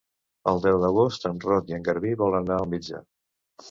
El deu d'agost en Roc i en Garbí volen anar al metge.